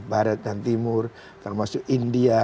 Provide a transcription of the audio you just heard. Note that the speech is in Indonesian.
barat dan timur termasuk india